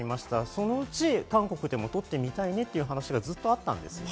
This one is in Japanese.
そのうち韓国でも撮ってみたいねという話があったんです。